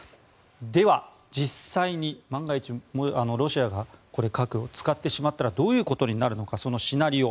では、実際に万が一ロシアが核を使ってしまったらどういうことになるのかそのシナリオ。